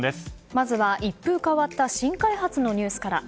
まずは一風変わった新開発のニュースから。